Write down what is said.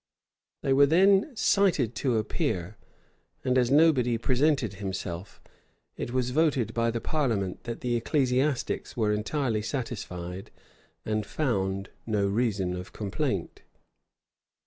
They were then cited to appear; and as nobody presented himself, it was voted by the parliament, that the ecclesiastics were entirely satisfied, and found no reason of complaint.